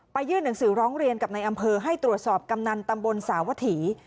ยื่นหนังสือร้องเรียนกับในอำเภอให้ตรวจสอบกำนันตำบลสาวถี